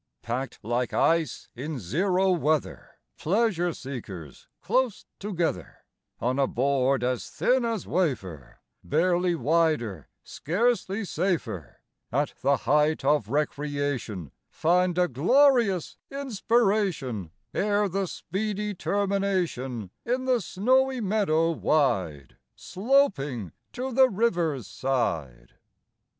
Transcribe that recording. Packed like ice in zero weather, Pleasure seekers close together, On a board as thin as wafer, Barely wider, scarcely safer, At the height of recreation Find a glorious inspiration, Ere the speedy termination In the snowy meadow wide, Sloping to the river's side.